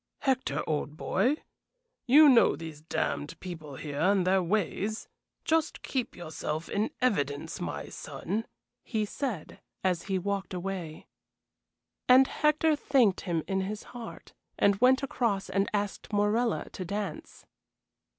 "Hector, old boy, you know these damned people here and their ways. Just keep yourself in evidence, my son," he said, as he walked away. And Hector thanked him in his heart, and went across and asked Morella to dance.